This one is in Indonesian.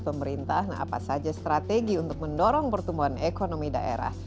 pemerintah apa saja strategi untuk mendorong pertumbuhan ekonomi daerah